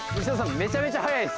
めちゃめちゃ速いです。